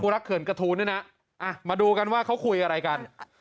รักเขื่อนกระทูลด้วยนะมาดูกันว่าเขาคุยอะไรกัน